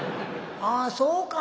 「ああそうか」。